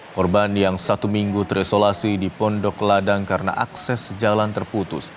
korban yang satu minggu terisolasi di pondok ladang karena akses jalan terputus